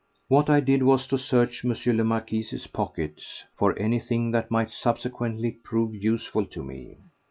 What I did was to search M. le Marquis's pockets for anything that might subsequently prove useful to me.